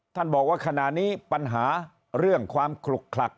ท่านบอกว่าขณะนี้ปัญหาเรื่องความขลุกคลัก